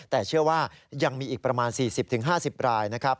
แต่เชื่อว่ายังมีอีกประมาณ๔๐๕๐รายนะครับ